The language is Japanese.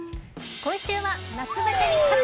今週は夏バテに勝つ！